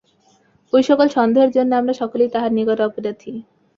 ঐ সকল সন্দেহের জন্য আমরা সকলেই তাঁহার নিকট অপরাধী।